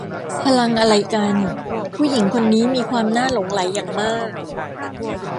พลังอะไรกัน ผู้หญิงคนนี้มีความน่าหลงไหลอย่างมาก